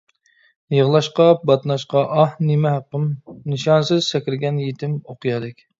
يىغلاشقا، باتناشقا ئاھ نېمە ھەققىم، نىشانسىز سەكرىگەن يېتىم ئوقيادەك.